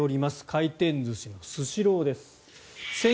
回転寿司のスシローです。